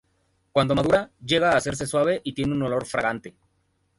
Cuando madura, llega a hacerse suave y tiene un olor fragante.